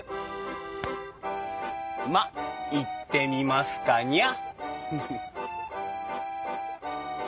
まっ行ってみますかにゃ。